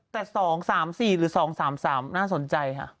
แต่๒๓๔หรือ๒๓๓น่าสนใจค่ะ